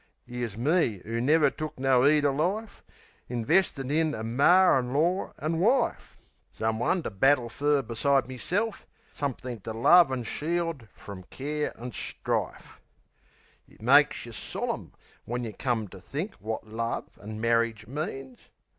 'Ere's me 'oo never took no 'eed o' life, Investin' in a mar in lor an' wife: Someone to battle fer besides meself, Somethink to love an' shield frum care and strife. It makes yeh solim when yeh come to think Wot love and marridge means.